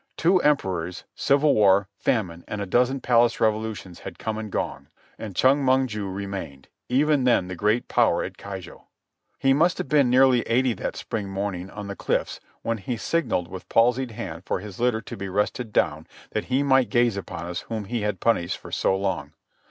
Two emperors, civil war, famine, and a dozen palace revolutions had come and gone; and Chong Mong ju remained, even then the great power at Keijo. He must have been nearly eighty that spring morning on the cliffs when he signalled with palsied hand for his litter to be rested down that he might gaze upon us whom he had punished for so long.